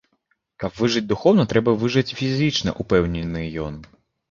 Каб выжыць духоўна, трэба выжыць фізічна, упэўнены ён.